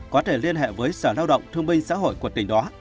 có thể liên hệ với sở lao động thương binh xã hội của tỉnh đó